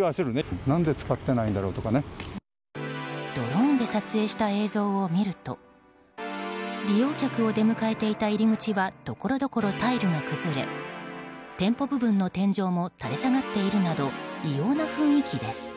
ドローンで撮影した映像を見ると利用客を出迎えていた入口はところどころ、タイルが崩れ店舗部分の天井も垂れ下がっているなど異様な雰囲気です。